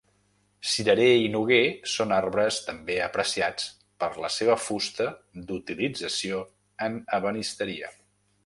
Cirerer i noguer són arbres també apreciats per la seva fusta d'utilització en ebenisteria.